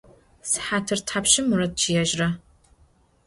Sıhatır thapşşım Murat ççıêjıra?